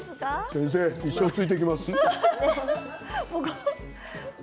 先生一生ついていきます。